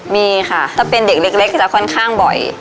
มีค่ะถ้าเป็นเด็กเล็กจะค่อนข้างบ่อย